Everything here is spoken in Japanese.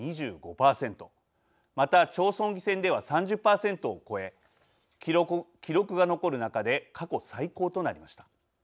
また町村議選では３０％を超え記録が残る中で過去最高となりました。